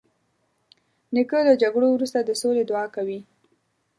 نیکه له جګړو وروسته د سولې دعا کوي.